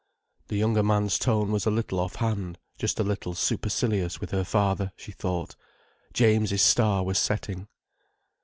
The younger man's tone was a little off hand, just a little supercilious with her father, she thought. James's star was setting.